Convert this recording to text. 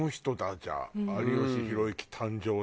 じゃあ有吉弘行誕生の。